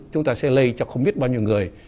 chúng ta sẽ lây cho không biết bao nhiêu người